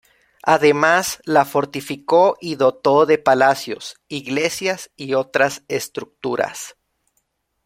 Además la fortificó y dotó de palacios, iglesias y otras estructuras.